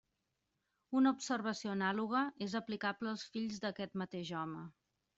Una observació anàloga és aplicable als fills d'aquest mateix home.